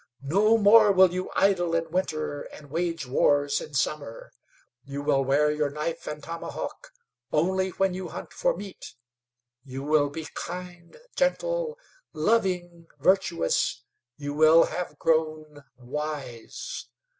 No more will you idle in winter and wage wars in summer. You will wear your knife and tomahawk only when you hunt for meat. You will be kind, gentle, loving, virtuous you will have grown wise.